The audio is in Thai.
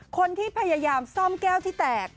พยายามซ่อมแก้วที่แตก